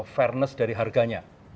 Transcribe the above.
fairness dari harganya